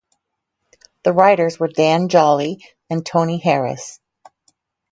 The writers were Dan Jolley and Tony Harris.